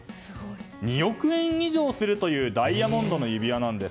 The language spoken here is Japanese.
２億円以上するというダイヤモンドの指輪なんです。